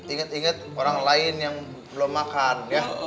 ingat inget orang lain yang belum makan ya